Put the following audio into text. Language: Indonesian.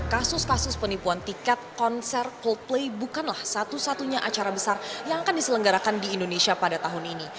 kasus kasus penipuan tiket konser coldplay bukanlah satu satunya acara besar yang akan diselenggarakan di indonesia pada tahun ini